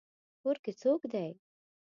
کور کې څوک دی؟